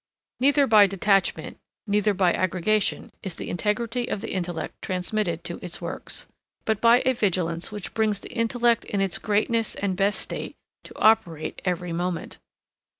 Neither by detachment neither by aggregation is the integrity of the intellect transmitted to its works, but by a vigilance which brings the intellect in its greatness and best state to operate every moment.